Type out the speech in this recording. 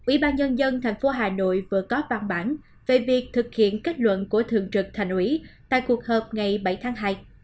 ybnd tp hà nội vừa có văn bản về việc thực hiện kết luận của thượng trực thành ủy tại cuộc hợp ngày bảy tháng hai